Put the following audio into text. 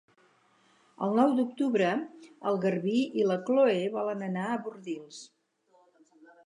El nou d'octubre en Garbí i na Chloé volen anar a Bordils.